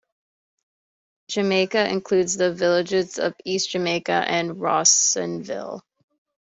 Jamaica includes the villages of East Jamaica and Rawsonville.